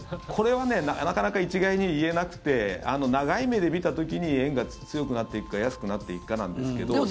これはなかなか一概に言えなくて長い目で見た時に円が強くなっていくか安くなっていくかなんですけど。